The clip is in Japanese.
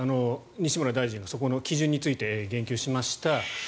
西村大臣もそこの基準について言及しました。